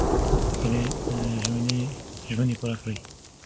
خپلې ژمنې پوره کړئ.